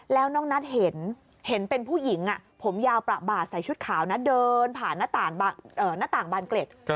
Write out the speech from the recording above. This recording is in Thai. แล้วน้องนัทเห็นเป็นผู้หญิงผมยาวประบาดใส่ชุดขาวนะเดินผ่านหน้าต่างบานเกล็ด